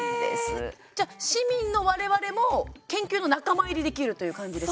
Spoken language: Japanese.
へえ、じゃあ市民の我々も研究の仲間入りできるそうなんです。